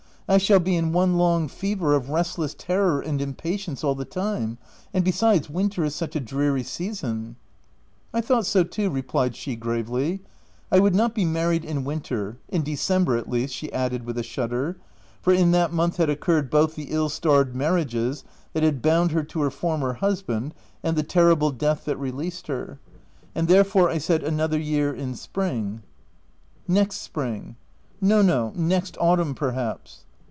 — I shall be in one long fever of restless terror and impatience all the time. And besides, winter is such a dreary season/' " I thought so too," replied she gravely :" I would not be married in winter — in December, at least," she added with a shudder— for in that month had occurred both the ill starred mar riages that had bound her to her former husband and the terrible death that released her — u and therefore, I said another year in spring." " Next spring/' " No, no — next autumn, perhaps."